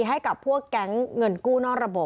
ให้กับพวกแก๊งเงินกู้นอกระบบ